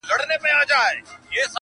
حقيقت څوک نه منل غواړي تل,